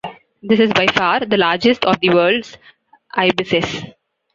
This is, by far, the largest of the world's ibises.